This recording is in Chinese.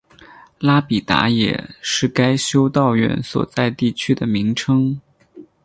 拉比达也是该修道院所在地区的名称。